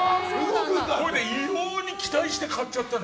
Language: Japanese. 異様に期待して買っちゃったの。